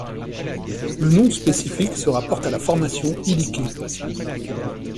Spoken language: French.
Le nom spécifique se rapporte à la formation Ilike.